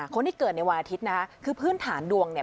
คนที่เกิดในวันอาทิตย์นะคะคือพื้นฐานดวงเนี่ย